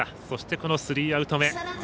そしてこのスリーアウト目。